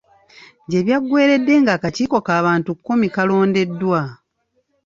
Gye byaggweeredde ng'akakiiko k'abantu kkumi kaalondeddwa